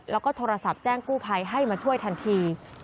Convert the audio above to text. แล้วก็โทรศัพท์แจ้งกู้ภัยให้มาช่วยทันที